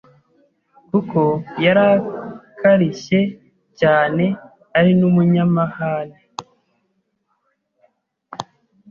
kuko yari akarishye cyane ari n’umunyamahane.